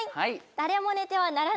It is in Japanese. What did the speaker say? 「誰も寝てはならぬ」